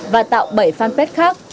và tạo bảy fanpage khác